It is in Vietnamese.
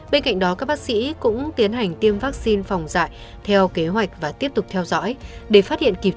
bên cạnh đó các bác sĩ cũng tiến hành tiêm vaccine phòng dạy